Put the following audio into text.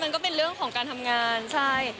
ก็เป็นเรื่องของการทำงานใช่